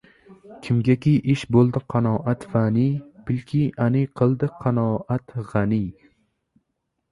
Kimgaki ish bo‘ldi qanoat fani, bilki, ani qildi qanoat g‘aniy.